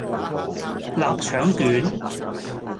臘腸卷